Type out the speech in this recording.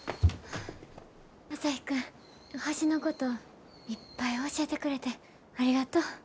朝陽君星のこといっぱい教えてくれてありがとう。